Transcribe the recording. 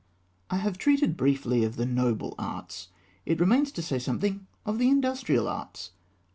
_ I have treated briefly of the Noble Arts; it remains to say something of the Industrial Arts.